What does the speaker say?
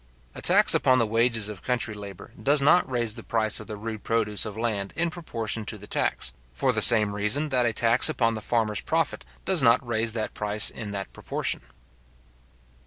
A tax upon the wages of country labour does not raise the price of the rude produce of land in proportion to the tax; for the same reason that a tax upon the farmer's profit does not raise that price in that proportion.